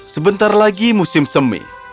sebentar lagi musim semi